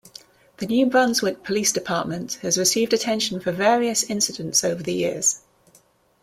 The New Brunswick police department has received attention for various incidents over the years.